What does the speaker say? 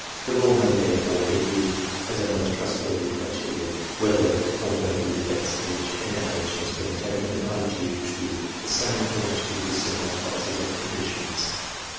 The law may, therefore, *l3e used as a most trustworthy criterion, whether or no the events of which an average has been taken, are due to the same or to dissimilar classes of conditions.